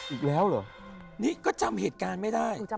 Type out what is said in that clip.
อีกแล้วเหรอนี่ก็จำเหตุการณ์ไม่ได้